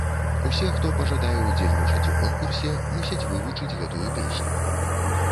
Усе, хто пажадае ўдзельнічаць у конкурсе, мусяць вывучыць гэтую песню.